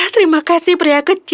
terima kasih pria kecil